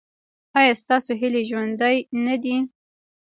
ایا ستاسو هیلې ژوندۍ نه دي؟